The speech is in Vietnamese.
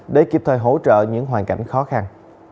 để kịp thời hỗ trợ những hoàn cảnh khó khăn